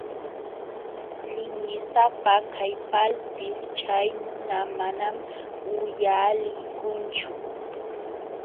Linlisapa kaykalpis chay nuna manam uyalikunchu.